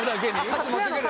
カツ持ってくる？